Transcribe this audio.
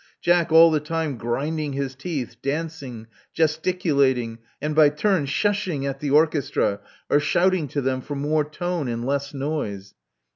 Jack all the time grinding his teeth; dancing; gesticulating; and by turns shsh sh shing at the orchestra, or shouting to them for more tone and less noise.